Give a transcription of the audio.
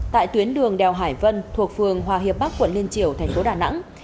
tại tuyến đường đèo hải vân thuộc phường hòa hiệp bắc quận liên triều thành phố đà nẵng